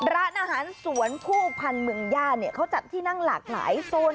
ร้านอาหารสวนคู่พันธุ์เมืองย่าเนี่ยเขาจัดที่นั่งหลากหลายโซน